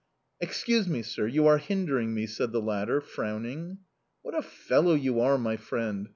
"Excuse me, sir, you are hindering me," said the latter, frowning. "What a fellow you are, my friend!